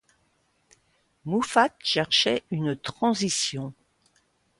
Muffat cherchait une transition.